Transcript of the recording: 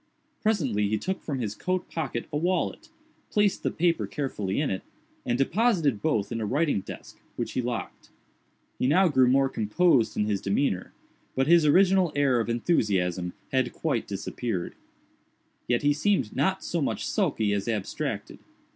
Presently he took from his coat pocket a wallet, placed the paper carefully in it, and deposited both in a writing desk, which he locked. He now grew more composed in his demeanor; but his original air of enthusiasm had quite disappeared. Yet he seemed not so much sulky as abstracted.